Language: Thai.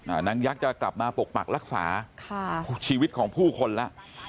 นางยักษ์จะกลับมาปกปักรักษาค่ะชีวิตของผู้คนแล้ว